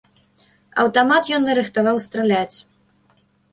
Аўтамат ён нарыхтаваў страляць.